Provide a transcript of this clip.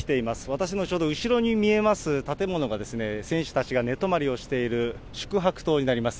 私のちょうど後ろに見えます建物が、選手たちが寝泊まりをしている宿泊棟になります。